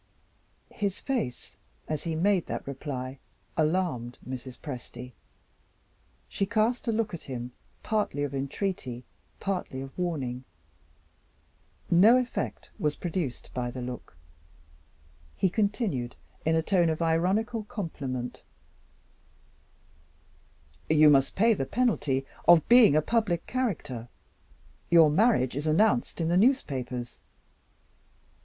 His face, as he made that reply, alarmed Mrs. Presty. She cast a look at him, partly of entreaty, partly of warning. No effect was produced by the look. He continued, in a tone of ironical compliment: "You must pay the penalty of being a public character. Your marriage is announced in the newspapers."